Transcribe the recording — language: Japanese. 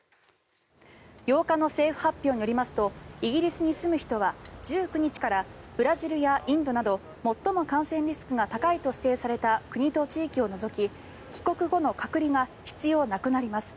８日の政府発表によりますとイギリスに住む人は１９日からブラジルやインドなど最も感染リスクが高いと指定された国の地域を除き帰国後の隔離が必要なくなります。